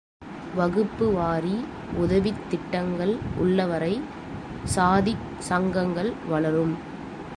வகுப்பு வாரி உதவித் திட்டங்கள் உள்ள வரை சாதிச் சங்கங்கள் வளரும்.